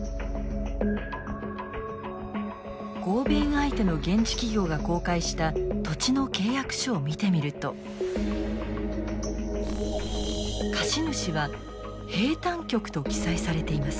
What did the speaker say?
合弁相手の現地企業が公開した土地の契約書を見てみると貸主は「兵站局」と記載されています。